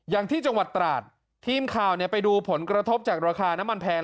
อย่างที่จังหวัดตราดทีมข่าวไปดูผลกระทบจากราคาน้ำมันแพง